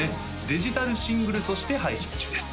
デジタルシングルとして配信中です